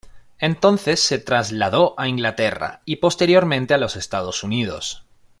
Entonces se trasladó a Inglaterra, y posteriormente a los Estados Unidos.